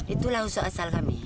itulah usul asal kami